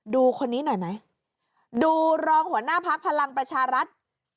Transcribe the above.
ดูคนนี้หน่อยไหมดูรองหัวหน้าพักพลังประชารัฐ